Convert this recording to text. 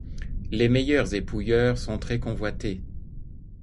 Les meilleurs épouilleurs sont très convoités.